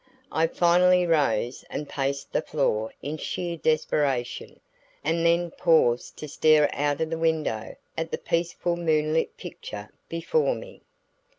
I finally rose and paced the floor in sheer desperation, and then paused to stare out of the window at the peaceful moonlit picture before me.